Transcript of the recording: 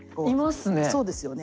そうですよね。